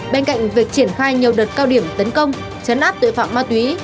bên cạnh việc triển khai nhiều đợt cao điểm tấn công chấn áp tội phạm ma túy